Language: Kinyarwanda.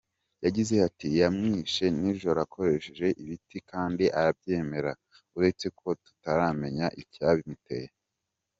Yagize ati “Yamwishe nijoro akoresheje ibiti kandi arabyemera, uretse ko tutaramenya icyabimuteye.